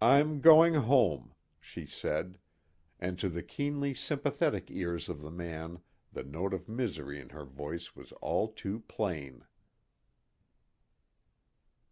"I'm going home," she said; and to the keenly sympathetic ears of the man the note of misery in her voice was all too plain.